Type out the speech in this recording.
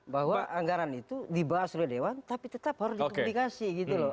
bahwa anggaran itu dibahas oleh dewan tapi tetap harus dikomunikasi gitu loh